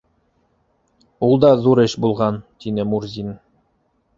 — Ул да ҙур эш булған, — тине Мурзин.